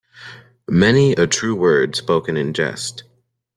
Many a true word spoken in jest.